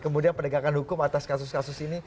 kemudian penegakan hukum atas kasus kasus ini